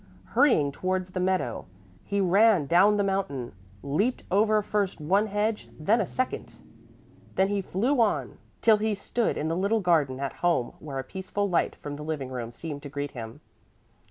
Hurrying towards the meadow, he ran down the mountain, leaped over first one hedge and then a second. Then he flew on till he stood in the little garden at home where a peaceful light from the living room seemed to greet him.